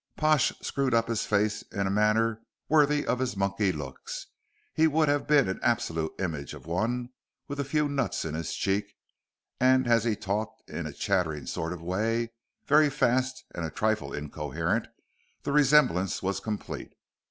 Pash screwed up his face in a manner worthy of his monkey looks. He would have been an absolute image of one with a few nuts in his cheek, and as he talked in a chattering sort of way, very fast and a trifle incoherent, the resemblance was complete.